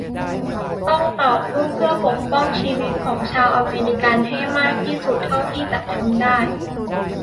ต้องต่อสู้เพื่อปกป้องชีวิตของชาวอเมริกันให้มากที่สุดเท่าที่จะทำได้